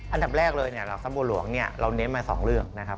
อันดับแรกเลยเนี่ยหลักทรัพย์บัวหลวงเนี่ยเราเน้นมา๒เรื่องนะครับ